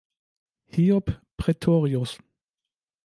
Hiob Prätorius.